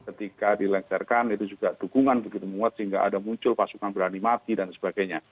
ketika dilengsarkan itu juga dukungan begitu muat sehingga ada muncul pasukan beranimati dan sebagainya